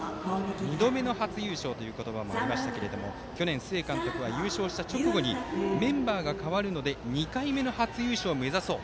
２度目の初優勝という言葉もありましたけども去年、須江監督は優勝した直後にメンバーが変わるので２回目の初優勝を目指そう。